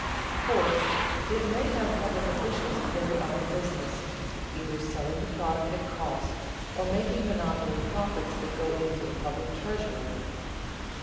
Fourth, it may have public officials carry on the business, either selling the product at cost or making monopoly profits that go into the public treasury.